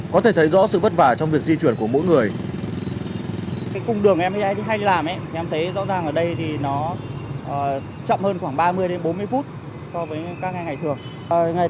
có thể thấy rõ sự vất vả trong việc di chuyển của mỗi người